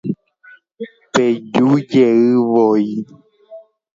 Pejujey voi